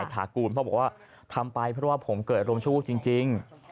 ถากูลพ่อบอกว่าทำไปเพราะว่าผมเกิดอารมณ์ชวูบจริง